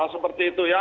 seperti itu ya